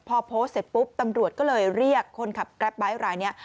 พอโพสต์เสร็จปุ๊บตำรวจก็เลยเรียกคนขับแกรปไบท์รายนี้